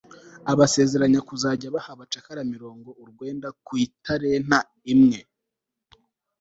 abasezeranya kuzajya abaha abacakara mirongo urwenda ku italenta imwe